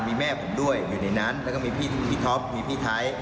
มีแม่ผมด้วยอยู่ในนั้นแล้วก็มีพี่ท็อปมีพี่ไทย